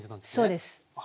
そうです。